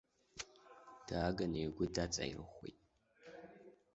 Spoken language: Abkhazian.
Дааганы игәы дааҵаирӷәӷәеит.